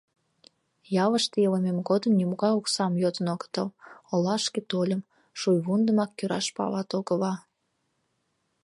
Ялыште илымем годым нимогай оксам йодын огытыл, олашке тольым — шийвундымак кӱраш палат огыла...